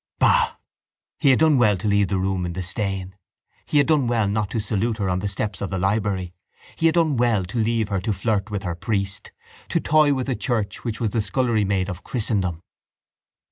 Bah! he had done well to leave the room in disdain. He had done well not to salute her on the steps of the library. He had done well to leave her to flirt with her priest, to toy with a church which was the scullery maid of christendom.